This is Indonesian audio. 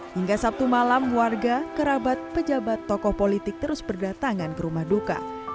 hingga sabtu malam warga kerabat pejabat tokoh politik terus berdatangan ke rumah duka